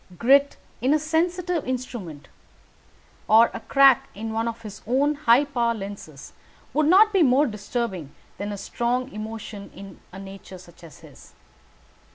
Grit in a sensitive instrument, or a crack in one of his own high power lenses, would not be more disturbing than a strong emotion in a nature such as his.